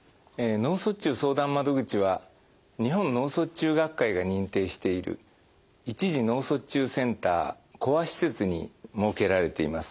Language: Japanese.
脳卒中相談窓口は日本脳卒中学会が認定している一時脳卒中センターコア施設に設けられています。